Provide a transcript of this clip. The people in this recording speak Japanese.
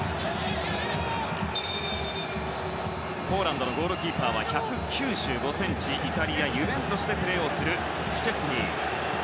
ポーランドのゴールキーパーは１９５ｃｍのイタリア、ユベントスでプレーをするシュチェスニー。